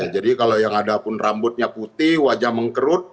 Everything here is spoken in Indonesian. jadi kalau yang ada pun rambutnya putih wajah mengkerut